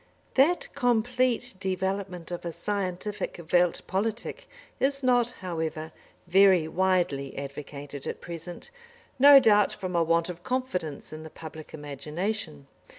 That complete development of a scientific Welt Politik is not, however, very widely advocated at present, no doubt from a want of confidence in the public imagination.